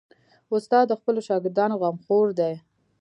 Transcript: استاد د خپلو شاګردانو غمخور وي.